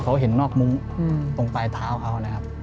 เค้าเห็นนอกมุ้งตรงใต้ขาวเค้า